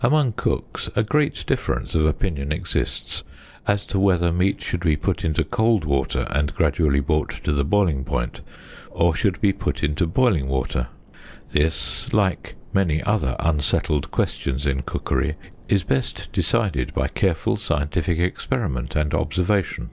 Among cooks a great difference of opinion exists as to whether meat should be put into cold water and gradually brought to the boiling point, or should be put into boiling water. This, like many other unsettled questions in cookery, is best decided by careful scientific experiment and observation.